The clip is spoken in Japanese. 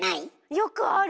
よくある！